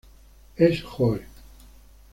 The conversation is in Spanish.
Es Joe.